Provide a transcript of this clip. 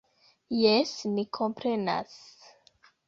Jes, ni komprenas.